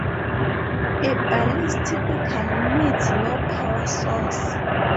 A balise typically needs no power source.